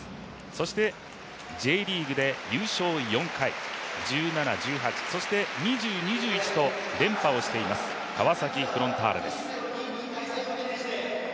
そしてＪリーグで優勝４回、１７、１８、そして２０、２１と連覇をしています、川崎フロンターレです。